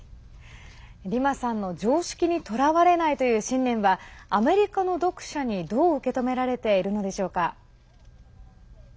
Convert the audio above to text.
リマさんの常識にとらわれないという信念はアメリカの読者にどう受け止められているのでしょうか。